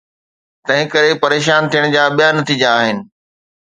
تنهنڪري پريشان ٿيڻ جا ٻيا نتيجا آهن.